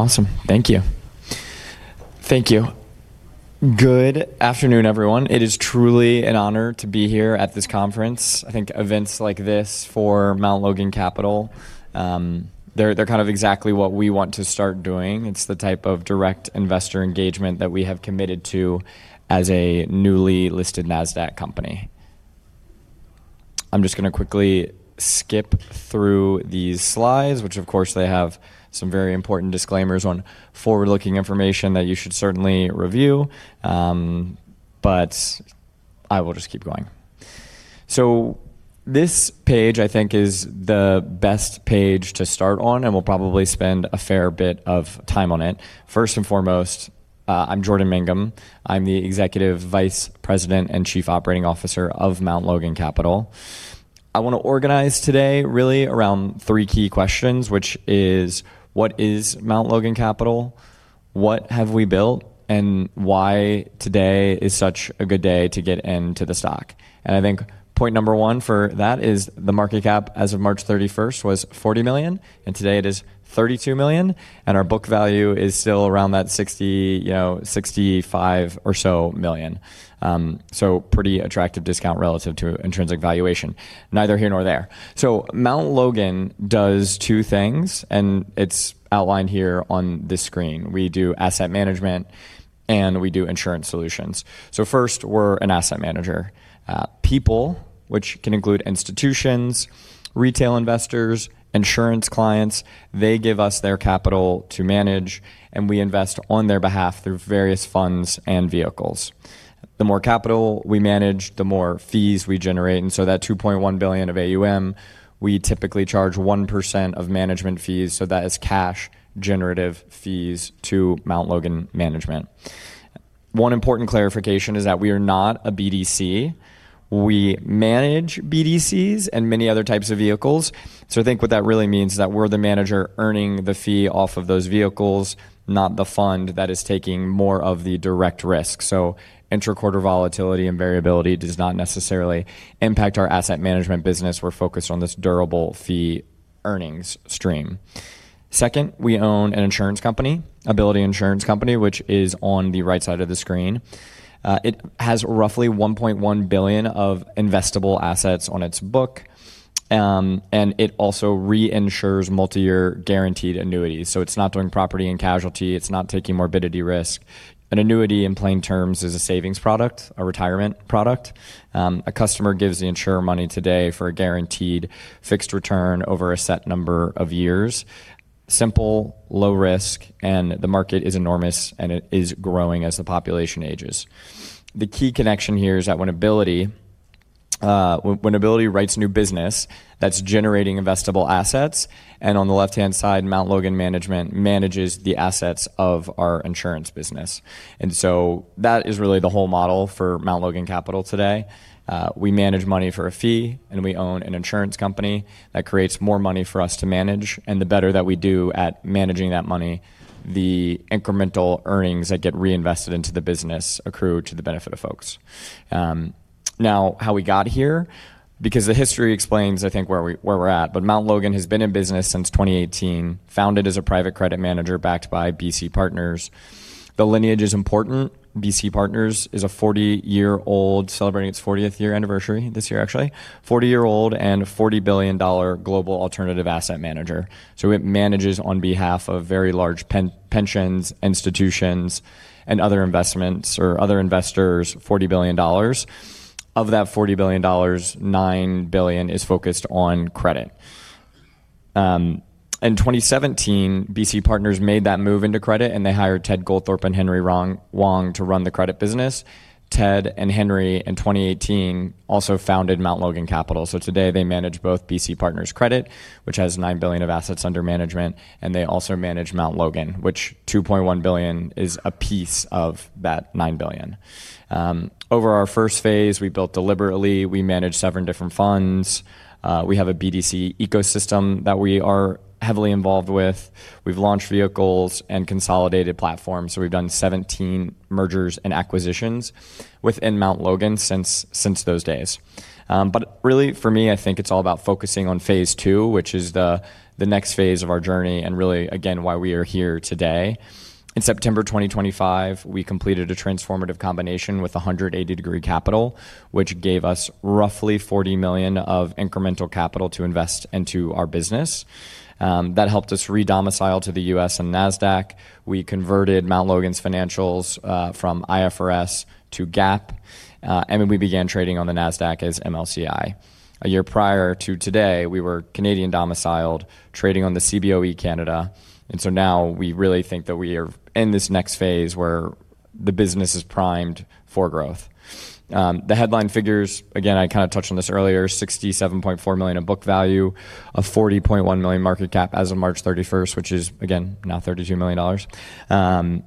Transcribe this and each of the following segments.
Awesome. Thank you. Thank you. Good afternoon, everyone. It is truly an honor to be here at this conference. I think events like this for Mount Logan Capital, they're kind of exactly what we want to start doing. It's the type of direct investor engagement that we have committed to as a newly listed NASDAQ company. I'm just going to quickly skip through these slides, which of course they have some very important disclaimers on forward-looking information that you should certainly review. I will just keep going. This page, I think is the best page to start on, and we'll probably spend a fair bit of time on it. First and foremost, I'm Jordan Mangum. I'm the Executive Vice President and Chief Operating Officer of Mount Logan Capital. I want to organize today really around three key questions, which is what is Mount Logan Capital? What have we built? Why today is such a good day to get into the stock? I think point number one for that is the market cap as of March 31st was $40 million, and today it is $32 million, and our book value is still around that $60 million-$65 million or so. Pretty attractive discount relative to intrinsic valuation. Neither here nor there. Mount Logan does two things, and it's outlined here on this screen. We do asset management and we do insurance solutions. First, we're an asset manager. People, which can include institutions, retail investors, insurance clients, they give us their capital to manage, and we invest on their behalf through various funds and vehicles. The more capital we manage, the more fees we generate, that $2.1 billion of AUM, we typically charge one percent of management fees, so that is cash generative fees to Mount Logan Management. One important clarification is that we are not a BDC. We manage BDCs and many other types of vehicles. I think what that really means is that we're the manager earning the fee off of those vehicles, not the fund that is taking more of the direct risk. Inter-quarter volatility and variability does not necessarily impact our asset management business. We're focused on this durable fee earnings stream. Second, we own an insurance company, Ability Insurance Company, which is on the right side of the screen. It has roughly $1.1 billion of investable assets on its book. And it also reinsures multi-year guaranteed annuities. It's not doing property and casualty. It's not taking morbidity risk. An annuity, in plain terms, is a savings product, a retirement product. A customer gives the insurer money today for a guaranteed fixed return over a set number of years. Simple, low risk, the market is enormous, and it is growing as the population ages. The key connection here is that when Ability writes new business, that's generating investable assets, and on the left-hand side, Mount Logan Management manages the assets of our insurance business. That is really the whole model for Mount Logan Capital today. We manage money for a fee, we own an insurance company that creates more money for us to manage. The better that we do at managing that money, the incremental earnings that get reinvested into the business accrue to the benefit of folks. How we got here, because the history explains, I think, where we are at. Mount Logan has been in business since 2018, founded as a private credit manager backed by BC Partners. The lineage is important. BC Partners is a 40-year-old, celebrating its 40th year anniversary this year, actually, and $40 billion global alternative asset manager. It manages on behalf of very large pensions, institutions, and other investments or other investors, $40 billion. Of that $40 billion, $9 billion is focused on credit. In 2017, BC Partners made that move into credit, and they hired Ted Goldthorpe and Henry Wang to run the credit business. Ted and Henry in 2018 also founded Mount Logan Capital. Today, they manage both BC Partners Credit, which has $9 billion of AUM, and they also manage Mount Logan, which $2.1 billion is a piece of that $9 billion. Over our phase I, we built deliberately. We managed seven different funds. We have a BDC ecosystem that we are heavily involved with. We've launched vehicles and consolidated platforms. We've done 17 mergers and acquisitions within Mount Logan since those days. Really for me, I think it's all about focusing on phase II, which is the next phase of our journey and really again, why we are here today. In September 2025, we completed a transformative combination with 180 Degree Capital, which gave us roughly $40 million of incremental capital to invest into our business. That helped us re-domicile to the U.S. and NASDAQ. We converted Mount Logan's financials from IFRS to GAAP, and we began trading on the NASDAQ as MLCI. A year prior to today, we were Canadian domiciled, trading on the CBOE Canada. Now we really think that we are in this next phase where the business is primed for growth. The headline figures, again, I kind of touched on this earlier, $67.4 million of book value, a $40.1 million market cap as of March 31st, which is again now $32 million.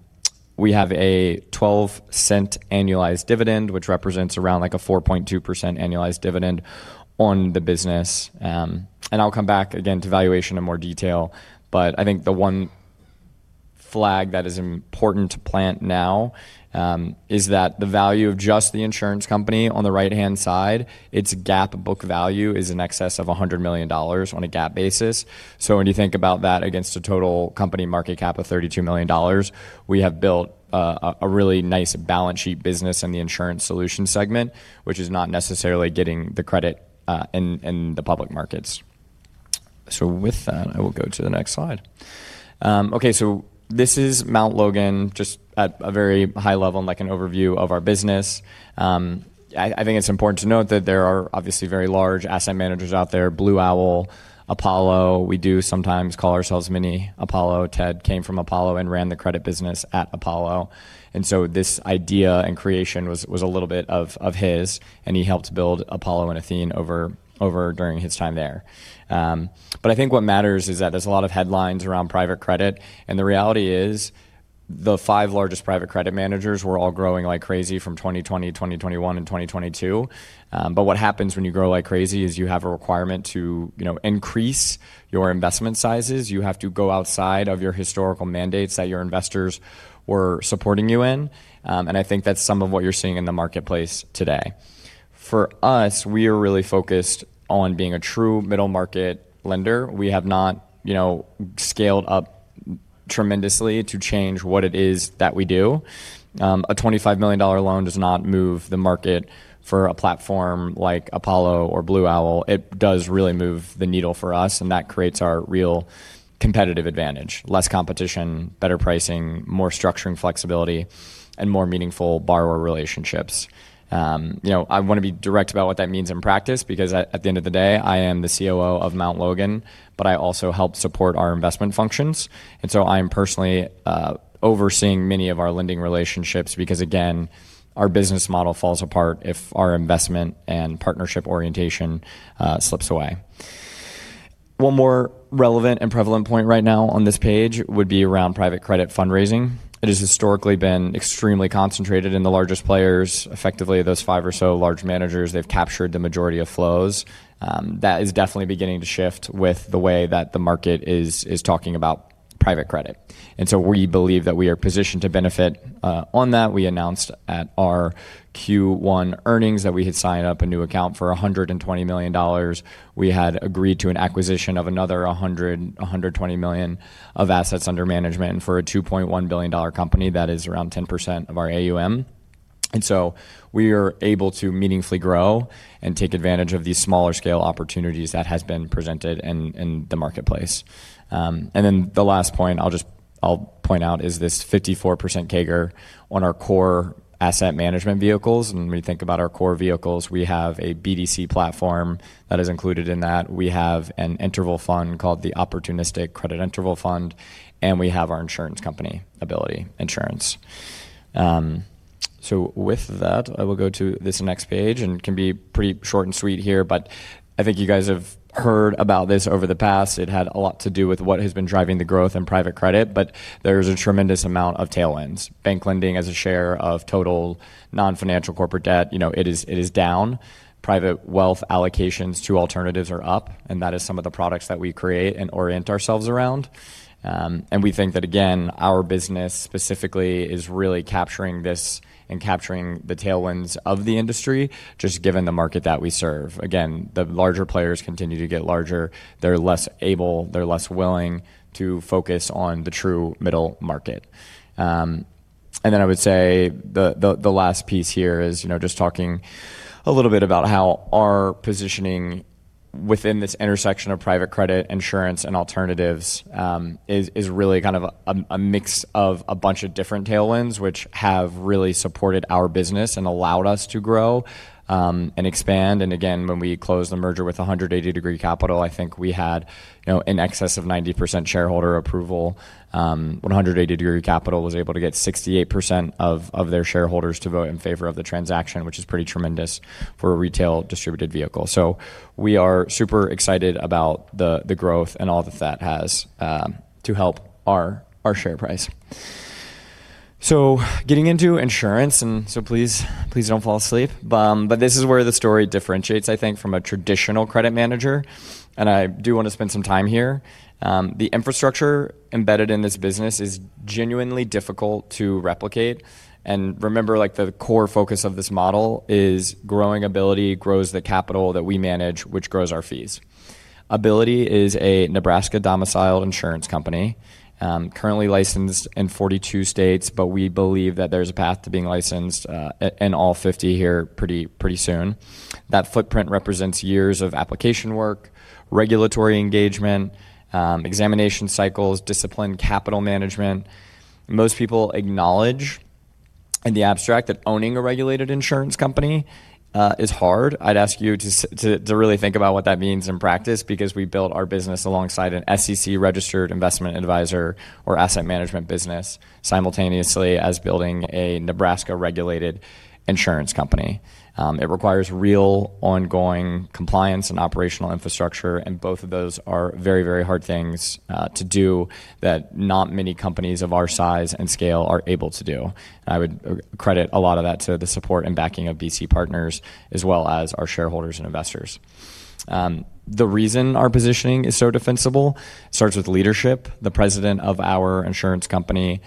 We have a $0.12 annualized dividend, which represents around like a 4.2% annualized dividend on the business. I'll come back again to valuation in more detail. I think the one flag that is important to plant now, is that the value of just the insurance company on the right-hand side, its GAAP book value is in excess of $100 million on a GAAP basis. When you think about that against a total company market cap of $32 million, we have built a really nice balance sheet business in the insurance solution segment, which is not necessarily getting the credit in the public markets. With that, I will go to the next slide. This is Mount Logan, just at a very high level and an overview of our business. I think it's important to note that there are obviously very large asset managers out there, Blue Owl, Apollo. We do sometimes call ourselves mini Apollo. Ted came from Apollo and ran the credit business at Apollo. This idea and creation was a little bit of his, and he helped build Apollo and Athene over, during his time there. I think what matters is that there's a lot of headlines around private credit, and the reality is the five largest private credit managers were all growing like crazy from 2020, 2021, and 2022. What happens when you grow like crazy is you have a requirement to increase your investment sizes. You have to go outside of your historical mandates that your investors were supporting you in. I think that's some of what you're seeing in the marketplace today. For us, we are really focused on being a true middle-market lender. We have not scaled up tremendously to change what it is that we do. A $25 million loan does not move the market for a platform like Apollo or Blue Owl. It does really move the needle for us, and that creates our real competitive advantage. Less competition, better pricing, more structuring flexibility, and more meaningful borrower relationships. I want to be direct about what that means in practice, because at the end of the day, I am the COO of Mount Logan, but I also help support our investment functions. I am personally overseeing many of our lending relationships because, again, our business model falls apart if our investment and partnership orientation slips away. One more relevant and prevalent point right now on this page would be around private credit fundraising. It has historically been extremely concentrated in the largest players. Effectively, those five or so large managers, they've captured the majority of flows. That is definitely beginning to shift with the way that the market is talking about private credit. We believe that we are positioned to benefit on that. We announced at our Q1 earnings that we had signed up a new account for $120 million. We had agreed to an acquisition of another $100 million-$120 million of assets under management. For a $2.1 billion company, that is around 10% of our AUM. We are able to meaningfully grow and take advantage of these smaller scale opportunities that has been presented in the marketplace. The last point I'll point out is this 54% CAGR on our core asset management vehicles. When we think about our core vehicles, we have a BDC platform that is included in that. We have an interval fund called the Opportunistic Credit Interval Fund, and we have our insurance company, Ability Insurance. I will go to this next page and can be pretty short and sweet here. I think you guys have heard about this over the past. It had a lot to do with what has been driving the growth in private credit. There's a tremendous amount of tailwinds. Bank lending as a share of total non-financial corporate debt, it is down. Private wealth allocations to alternatives are up, and that is some of the products that we create and orient ourselves around. We think that, again, our business specifically is really capturing this and capturing the tailwinds of the industry, just given the market that we serve. Again, the larger players continue to get larger. They're less able, they're less willing to focus on the true middle market. I would say the last piece here is just talking a little bit about how our positioning within this intersection of private credit, insurance, and alternatives, is really a mix of a bunch of different tailwinds which have really supported our business and allowed us to grow, and expand. Again, when we closed the merger with 180 Degree Capital, I think we had in excess of 90% shareholder approval. 180 Degree Capital was able to get 68% of their shareholders to vote in favor of the transaction, which is pretty tremendous for a retail distributed vehicle. We are super excited about the growth and all that that has, to help our share price. Getting into insurance, please don't fall asleep, but this is where the story differentiates, I think, from a traditional credit manager, I do want to spend some time here. The infrastructure embedded in this business is genuinely difficult to replicate. Remember, the core focus of this model is growing Ability grows the capital that we manage, which grows our fees. Ability is a Nebraska-domiciled insurance company, currently licensed in 42 states, but we believe that there's a path to being licensed in all 50 here pretty soon. That footprint represents years of application work, regulatory engagement, examination cycles, discipline, capital management. Most people acknowledge in the abstract that owning a regulated insurance company is hard. I'd ask you to really think about what that means in practice, because we built our business alongside an SEC-registered investment advisor or asset management business simultaneously as building a Nebraska-regulated insurance company. It requires real ongoing compliance and operational infrastructure, and both of those are very hard things to do that not many companies of our size and scale are able to do. I would credit a lot of that to the support and backing of BC Partners as well as our shareholders and investors. The reason our positioning is so defensible starts with leadership. The president of our insurance company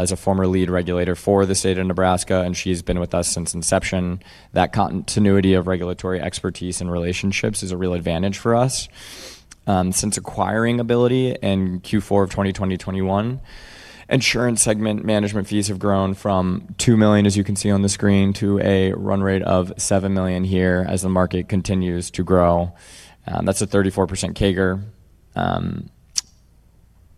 is a former lead regulator for the state of Nebraska, and she's been with us since inception. That continuity of regulatory expertise and relationships is a real advantage for us. Since acquiring Ability in Q4 of 2020-21, insurance segment management fees have grown from $2 million, as you can see on the screen, to a run rate of $7 million here as the market continues to grow. That's a 34% CAGR.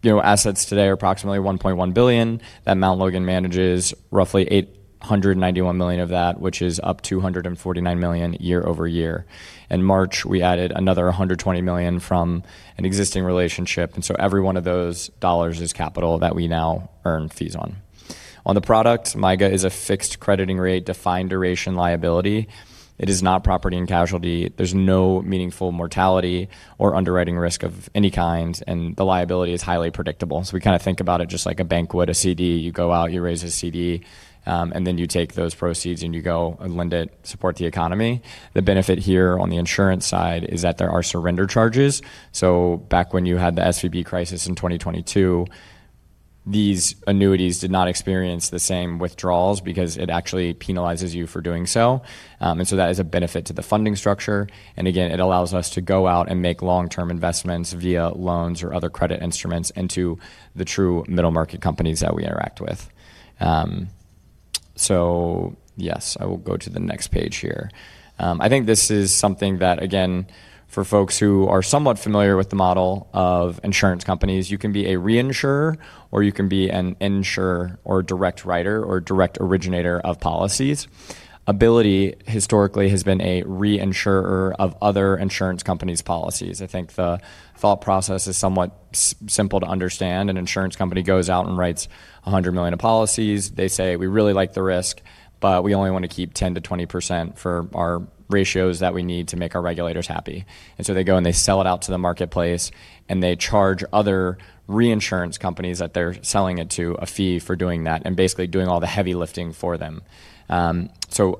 Assets today are approximately $1.1 billion that Mount Logan manages roughly $891 million of that, which is up $249 million year-over-year. In March, we added another $120 million from an existing relationship, every one of those dollars is capital that we now earn fees on. On the product, MYGA is a fixed crediting rate defined duration liability. It is not property and casualty. There's no meaningful mortality or underwriting risk of any kind, and the liability is highly predictable. We kind of think about it just like a bank would a CD. You go out, you raise a CD, you take those proceeds and you go and lend it, support the economy. The benefit here on the insurance side is that there are surrender charges. Back when you had the SVB crisis in 2022, these annuities did not experience the same withdrawals because it actually penalizes you for doing so. That is a benefit to the funding structure. Again, it allows us to go out and make long-term investments via loans or other credit instruments into the true middle market companies that we interact with. Yes, I will go to the next page here. I think this is something that, again, for folks who are somewhat familiar with the model of insurance companies, you can be a reinsurer or you can be an insurer or direct writer or direct originator of policies. Ability historically has been a reinsurer of other insurance companies' policies. I think the thought process is somewhat simple to understand. An insurance company goes out and writes $100 million of policies. They say, "We really like the risk, but we only want to keep 10%-20% for our ratios that we need to make our regulators happy." They go and they sell it out to the marketplace, and they charge other reinsurance companies that they're selling it to a fee for doing that and basically doing all the heavy lifting for them.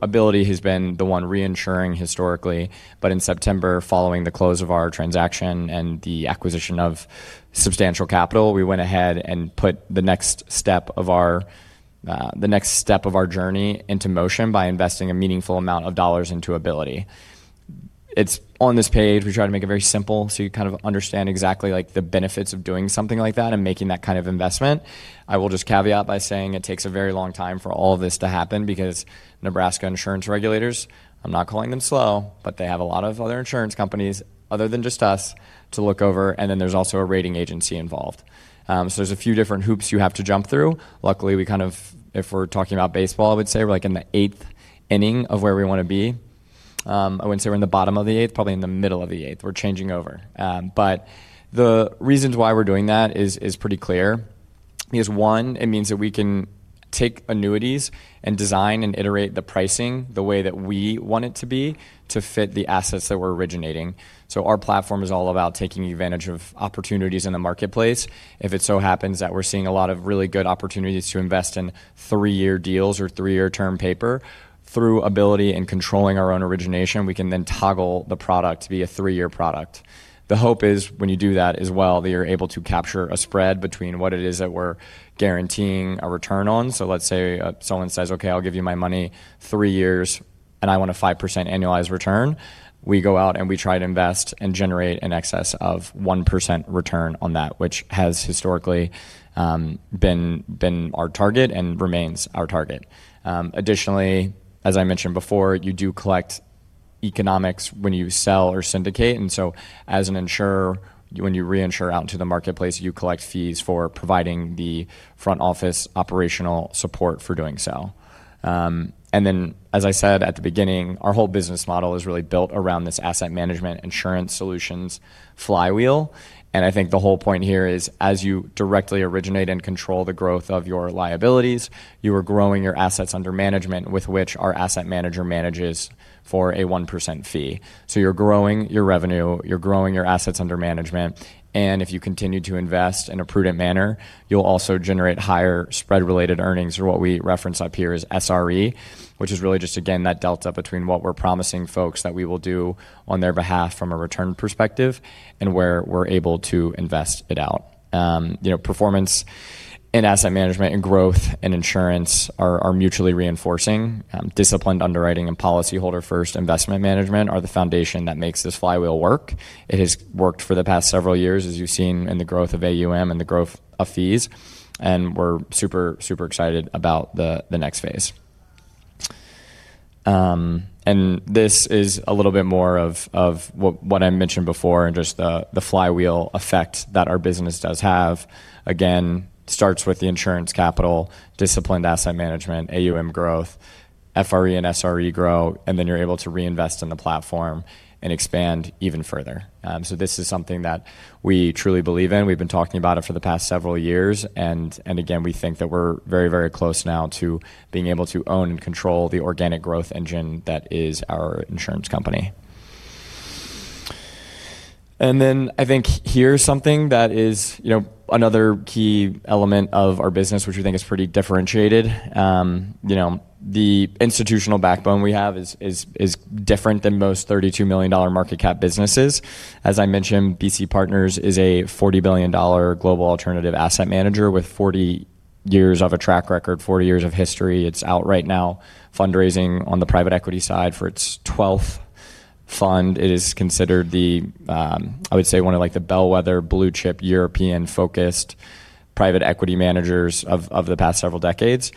Ability has been the one reinsuring historically, but in September, following the close of our transaction and the acquisition of substantial capital, we went ahead and put the next step of our journey into motion by investing a meaningful amount of dollars into Ability. It's on this page. We try to make it very simple so you kind of understand exactly the benefits of doing something like that and making that kind of investment. I will just caveat by saying it takes a very long time for all of this to happen because Nebraska insurance regulators, I'm not calling them slow, but they have a lot of other insurance companies other than just us to look over, and then there's also a rating agency involved. There's a few different hoops you have to jump through. Luckily, if we're talking about baseball, I would say we're in the eighth inning of where we want to be. I wouldn't say we're in the bottom of the eighth, probably in the middle of the eighth. We're changing over. The reasons why we're doing that is pretty clear, because one, it means that we can take annuities and design and iterate the pricing the way that we want it to be to fit the assets that we're originating. Our platform is all about taking advantage of opportunities in the marketplace. If it so happens that we're seeing a lot of really good opportunities to invest in three-year deals or three-year term paper, through Ability and controlling our own origination, we can then toggle the product to be a three-year product. The hope is when you do that as well, that you're able to capture a spread between what it is that we're guaranteeing a return on. Let's say someone says, "Okay, I'll give you my money three years and I want a five percent annualized return." We go out and we try to invest and generate in excess of one percent return on that, which has historically been our target and remains our target. Additionally, as I mentioned before, you do collect economics when you sell or syndicate. As an insurer, when you reinsure out into the marketplace, you collect fees for providing the front office operational support for doing so. As I said at the beginning, our whole business model is really built around this asset management insurance solutions flywheel. I think the whole point here is as you directly originate and control the growth of your liabilities, you are growing your assets under management with which our asset manager manages for a one percent fee. You're growing your revenue, you're growing your assets under management, and if you continue to invest in a prudent manner, you'll also generate higher spread-related earnings, or what we reference up here as SRE, which is really just, again, that delta between what we're promising folks that we will do on their behalf from a return perspective and where we're able to invest it out. Performance in asset management and growth and insurance are mutually reinforcing. Disciplined underwriting and policyholder-first investment management are the foundation that makes this flywheel work. It has worked for the past several years, as you've seen in the growth of AUM and the growth of fees, and we're super excited about the next phase. This is a little bit more of what I mentioned before and just the flywheel effect that our business does have. Again, starts with the insurance capital, disciplined asset management, AUM growth, FRE and SRE grow, and then you're able to reinvest in the platform and expand even further. This is something that we truly believe in. We've been talking about it for the past several years, and again, we think that we're very close now to being able to own and control the organic growth engine that is our insurance company. I think here's something that is another key element of our business, which we think is pretty differentiated. The institutional backbone we have is different than most $32 million market cap businesses. As I mentioned, BC Partners is a $40 billion global alternative asset manager with 40 years of a track record, 40 years of history. It's out right now fundraising on the private equity side for its 12th fund. It is considered one of the bellwether blue-chip European-focused private equity managers of the past several decades.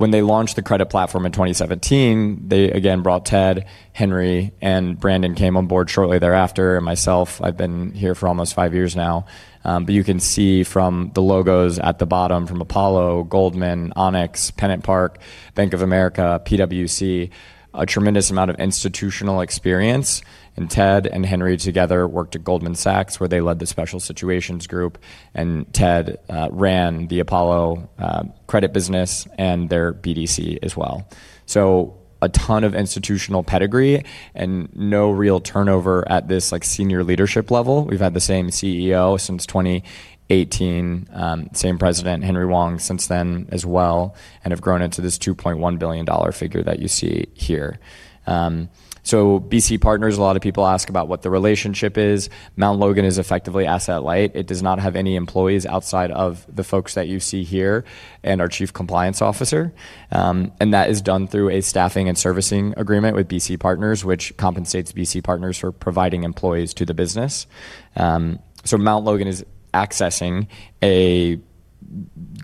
When they launched the credit platform in 2017, they again brought Ted, Henry, and Brandon came on board shortly thereafter, and myself, I've been here for almost five years now. You can see from the logos at the bottom, from Apollo, Goldman, Onyx, PennantPark, Bank of America, PwC, a tremendous amount of institutional experience. Ted and Henry together worked at Goldman Sachs, where they led the Special Situations Group, and Ted ran the Apollo credit business and their BDC as well. A ton of institutional pedigree and no real turnover at this senior leadership level. We've had the same CEO since 2018, same President, Henry Wang, since then as well, and have grown it to this $2.1 billion figure that you see here. BC Partners, a lot of people ask about what the relationship is. Mount Logan is effectively asset-light. It does not have any employees outside of the folks that you see here and our chief compliance officer. That is done through a staffing and servicing agreement with BC Partners, which compensates BC Partners for providing employees to the business. Mount Logan is accessing a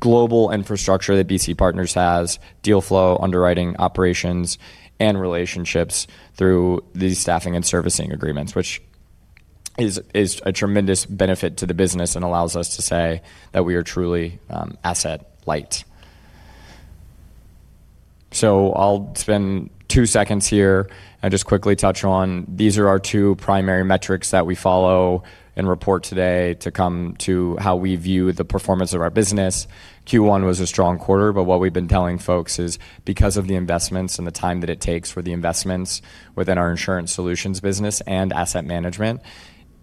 global infrastructure that BC Partners has, deal flow, underwriting, operations, and relationships through these staffing and servicing agreements, which is a tremendous benefit to the business and allows us to say that we are truly asset-light. I'll spend two seconds here and just quickly touch on, these are our two primary metrics that we follow and report today to come to how we view the performance of our business. Q1 was a strong quarter, what we've been telling folks is because of the investments and the time that it takes for the investments within our insurance solutions business and asset management,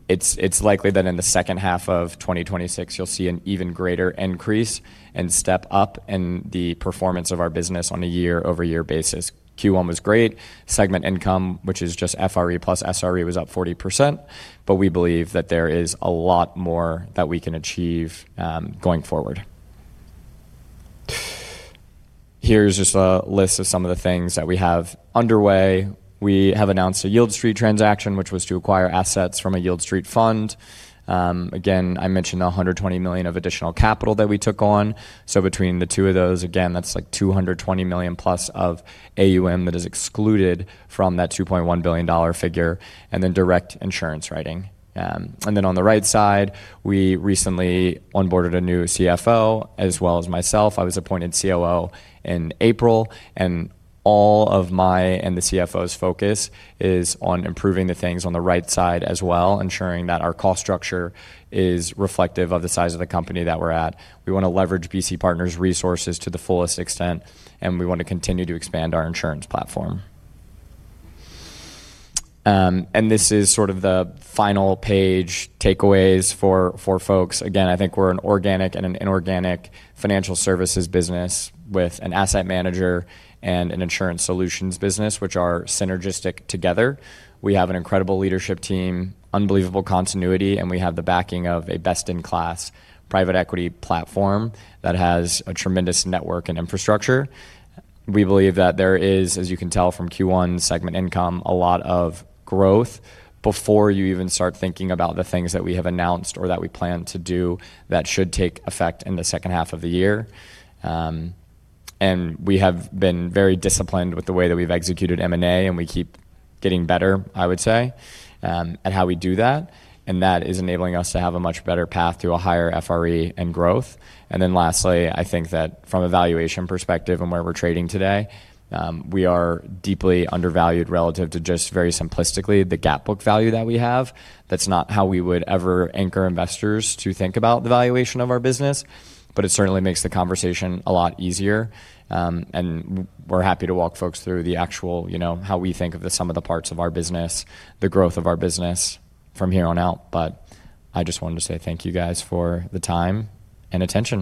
it's likely that in the second half of 2026, you'll see an even greater increase and step up in the performance of our business on a year-over-year basis. Q1 was great. Segment income, which is just FRE plus SRE, was up 40%, we believe that there is a lot more that we can achieve going forward. Here's just a list of some of the things that we have underway. We have announced a Yieldstreet transaction, which was to acquire assets from a Yieldstreet fund. Again, I mentioned the $120 million of additional capital that we took on. Between the two of those, again, that's like $220 million-plus of AUM that is excluded from that $2.1 billion figure, then direct insurance writing. On the right side, we recently onboarded a new CFO as well as myself. I was appointed COO in April, and all of my and the CFO's focus is on improving the things on the right side as well, ensuring that our cost structure is reflective of the size of the company that we're at. We want to leverage BC Partners' resources to the fullest extent, we want to continue to expand our insurance platform. This is sort of the final page takeaways for folks. Again, I think we're an organic and an inorganic financial services business with an asset manager and an insurance solutions business, which are synergistic together. We have an incredible leadership team, unbelievable continuity, we have the backing of a best-in-class private equity platform that has a tremendous network and infrastructure. We believe that there is, as you can tell from Q1 segment income, a lot of growth before you even start thinking about the things that we have announced or that we plan to do that should take effect in the second half of the year. We have been very disciplined with the way that we've executed M&A, we keep getting better, I would say, at how we do that. That is enabling us to have a much better path to a higher FRE and growth. Lastly, I think that from a valuation perspective and where we're trading today, we are deeply undervalued relative to just very simplistically the GAAP book value that we have. That's not how we would ever anchor investors to think about the valuation of our business, but it certainly makes the conversation a lot easier. We're happy to walk folks through the actual, how we think of the sum of the parts of our business, the growth of our business from here on out. I just wanted to say thank you guys for the time and attention